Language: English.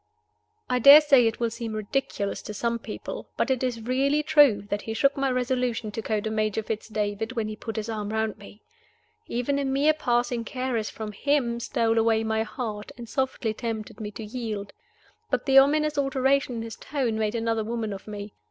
I dare say it will seem ridiculous to some people, but it is really true that he shook my resolution to go to Major Fitz David when he put his arm round me. Even a mere passing caress from him stole away my heart, and softly tempted me to yield. But the ominous alteration in his tone made another woman of me.